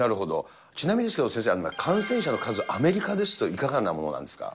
ちなみにですけど、感染者の数、アメリカですと、いかがなものなんですか？